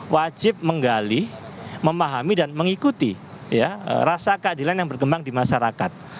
wajib menggali memahami dan mengikuti rasa keadilan yang berkembang di masyarakat